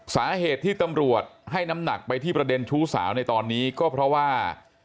สาเหตุที่ตำรวจให้น้ำหนักไปที่ประเด็นชู้สาวในตอนนี้ก็เพราะว่า